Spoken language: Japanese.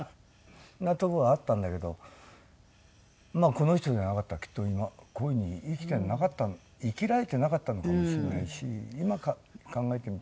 なとこがあったんだけどこの人じゃなかったらきっと今こういう風に生きてなかった生きられてなかったのかもしれないし今考えてみると。